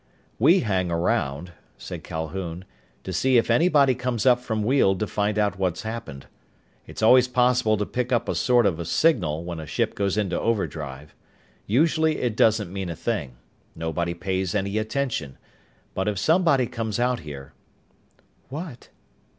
"We hang around," said Calhoun, "to see if anybody comes up from Weald to find out what's happened. It's always possible to pick up a sort of signal when a ship goes into overdrive. Usually it doesn't mean a thing. Nobody pays any attention. But if somebody comes out here...." "What?"